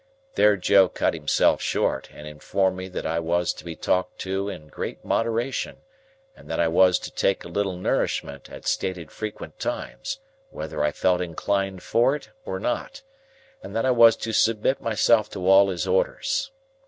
'" There Joe cut himself short, and informed me that I was to be talked to in great moderation, and that I was to take a little nourishment at stated frequent times, whether I felt inclined for it or not, and that I was to submit myself to all his orders.